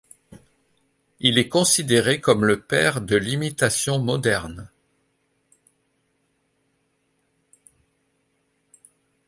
Il est considéré comme le père de l'imitation moderne.